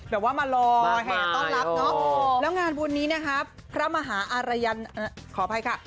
มารอแห่ต้อนรับเนอะแล้วงานบุญนี้นะครับพระมหาอารยันขออภัยค่ะ